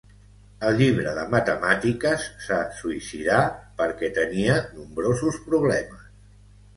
El llibre de matemàtiques se suïcidà perquè tenia nombrosos problemes.